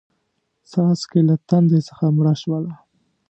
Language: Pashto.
څاڅکې له تندې څخه مړه شوله